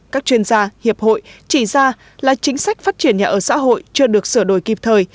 các chuyên gia hiệp hội chỉ ra là chính sách phát triển nhà ở xã hội chưa được sửa đổi kịp thời